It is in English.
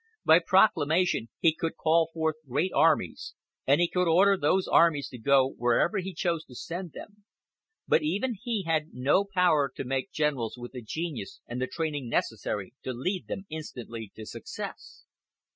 By proclamation he could call forth great armies and he could order those armies to go wherever he chose to send them; but even he had no power to make generals with the genius and the training necessary to lead them instantly to success.